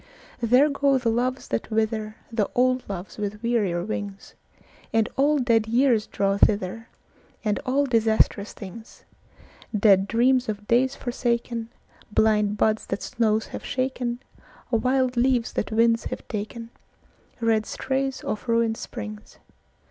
There go the loves that wither, The old loves with wearier wings; And all dead years draw thither, And all disastrous things; Dead dreams of days forsakenBlind buds that snows have shaken, Wild leaves that winds have taken, Red strays of ruined springs.